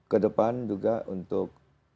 kedepan juga untuk